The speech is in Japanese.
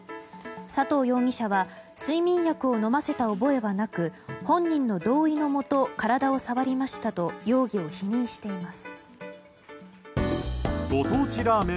佐藤容疑者は睡眠薬を飲ませた覚えはなく本人の同意のもと体を触りましたと容疑を否認しています。